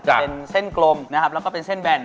จะเป็นเส้นกลมนะครับแล้วก็เป็นเส้นแบน